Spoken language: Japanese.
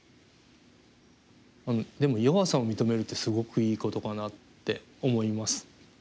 でも弱さを認めるってすごくいいことかなって思います。